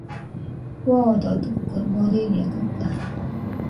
Foododɨkue, boriño dɨga